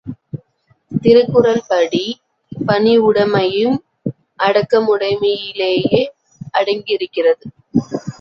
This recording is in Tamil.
திருக்குறள் படி பணிவுடைமையும் அடக்கமுடைமையிலேயே அடங்கியிருக்கிறது.